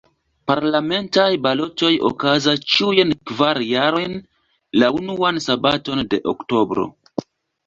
Parlamentaj balotoj okazas ĉiujn kvar jarojn, la unuan sabaton de oktobro.